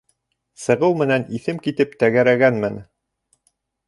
Сығыу менән иҫем китеп тәгәрәгәнмен.